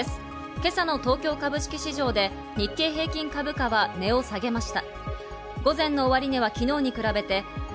今朝の東京株式市場で日経平均株価は値を下げました。